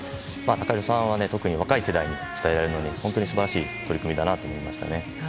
ＴＡＫＡＨＩＲＯさんは特に若い世代に伝えられるので本当に素晴らしい取り組みだなと思いました。